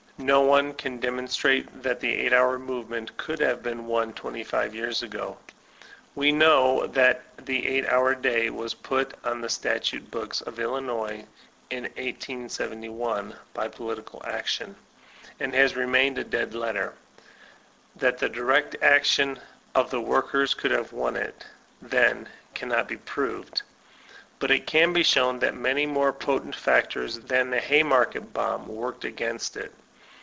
No one can demonstrate that the eight hour movement could have been won twenty five years ago. We know that the eight hour day was put on the statute books of lUioois in 1871, by political action, and has remained a ajS VOLTAniNB DC GUERB dead letter. That the direct action of the worken coold have won it, then, can not be proved ; but it can be diown that many more potent factors than the Haymarket bomb worked against it.